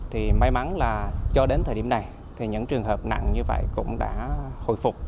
thì may mắn là cho đến thời điểm này thì những trường hợp nặng như vậy cũng đã hồi phục